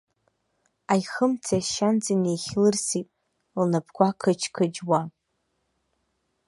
Аихымцеи ашьанҵеи неихьлырсит, лнапқәа қыџьқыџьуа.